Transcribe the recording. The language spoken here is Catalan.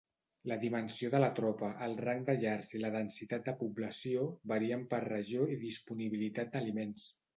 La dimensió de la tropa, el rang de llars i la densitat de població varien per regió i disponibilitat d'aliments.